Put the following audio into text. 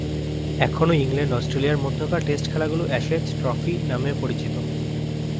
এখনো ইংল্যান্ড-অস্ট্রেলিয়ার মধ্যেকার টেস্ট খেলাগুলো "অ্যাশেজ ট্রফি" নামে পরিচিত।